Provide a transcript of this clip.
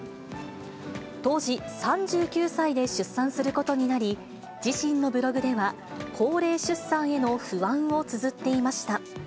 当時、３９歳で出産することになり、自身のブログでは、高齢出産への不安をつづっていました。